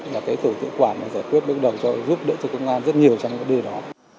là cái tổ tự quản giải quyết bước đầu cho giúp đỡ cho công an rất nhiều trong cái đề đó